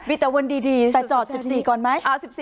มีแต่วันดีแต่จอด๑๔ก่อนไหม